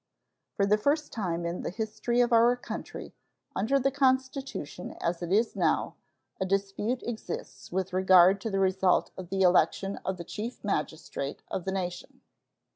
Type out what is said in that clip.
For the first time in the history of our country, under the Constitution as it now is, a dispute exists with regard to the result of the election of the Chief Magistrate of the nation.